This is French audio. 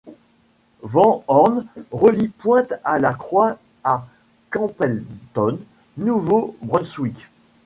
Van Horne relie Pointe-à-la-Croix à Campbellton, Nouveau-Brunswick.